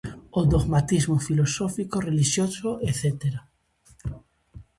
O dogmatismo filosófico, relixioso etcétera.